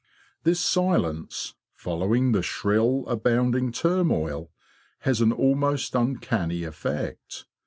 This silence, following the shrill, abounding turmoil, has an almost uncanny effect.